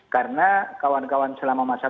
karena kawan kawan selama masa